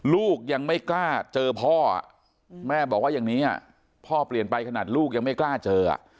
ลูกยังไม่กล้าเจอพ่อแม่บอกว่าอย่างนี้พ่อเปลี่ยนไปขนาดลูกยังไม่กล้าเจอ